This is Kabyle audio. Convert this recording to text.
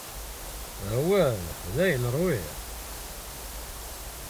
Awah, dayen ṛwiɣ.